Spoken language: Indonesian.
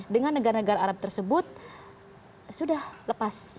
dengan negara negara arab tersebut sudah lepas